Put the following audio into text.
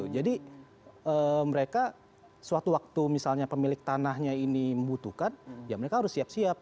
jadi mereka suatu waktu misalnya pemilik tanahnya ini membutuhkan ya mereka harus siap siap